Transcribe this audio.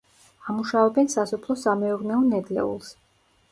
ამუშავებენ სასოფლო-სამეურნეო ნედლეულს.